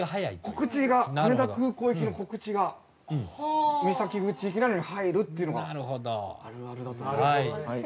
告知が羽田空港行きの告知が三崎口行きなのに入るっていうのがあるあるだと。